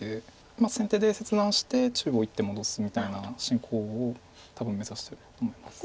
先手で切断して中央１手戻すみたいな進行を多分目指してると思います。